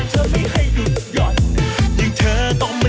เปลี่ยนท่า